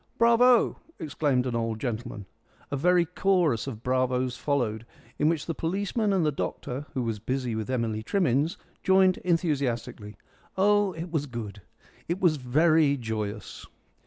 "Bravo!" exclaimed an old gentleman. A very chorus of bravos followed, in which the policeman and the doctor, who was busy with Emily Trimmins, joined enthusiastically. Oh, it was good. It was very joyous.